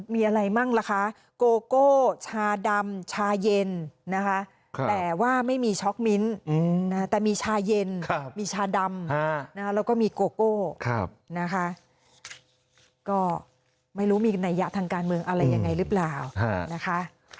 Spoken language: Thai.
มีอะไรมั่งล่ะคะโกโก้ชาดำชาเย็นนะคะแต่ว่าไม่มีช็อกมิ้นแต่มีชาเย็นมีชาดำแล้วก็มีโกโก้นะคะก็ไม่รู้มีนัยยะทางการเมืองอะไรยังไงหรือเปล่านะคะ